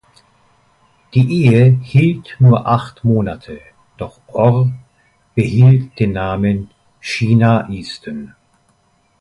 Die Ehe hielt nur acht Monate, doch Orr behielt den Namen Sheena Easton.